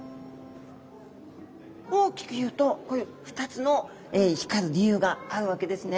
大きく言うとこういう２つの光る理由があるわけですね。